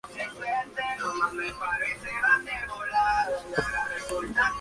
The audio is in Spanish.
Ha participado en varias producciones dramáticas, montajes teatrales y películas.